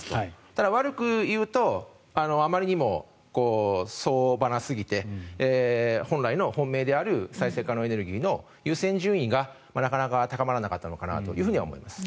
ただ、悪く言うとあまりにも総花すぎて本来の本命である再生可能エネルギーの優先順位がなかなか高まらなかったのかなと思います。